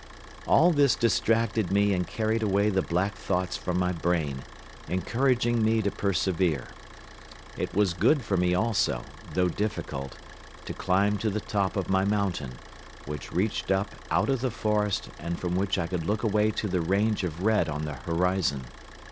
All this distracted me and carried away the black thoughts from my brain, encouraging me to persevere. It was good for me also, though difficult, to climb to the top of my mountain, which reached up out of the forest and from which I could look away to the range of red on the horizon.